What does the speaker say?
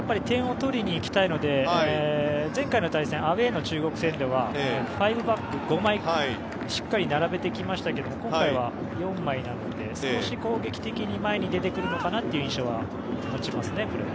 点を取りにいきたいので前回の対戦アウェーの中国戦では５バック、５枚をしっかり並べてきましたが今回は４枚なので少し攻撃的に前に出てくるのかなという印象は持ちますね。